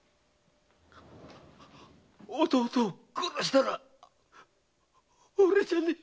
弟を殺したのは俺じゃねえ。